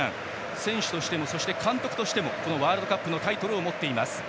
選手としても監督としてもワールドカップのタイトルを持っています。